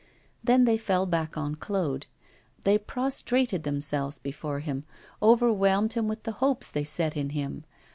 Then they fell back on Claude; they prostrated themselves before him, overwhelmed him with the hopes they set in him.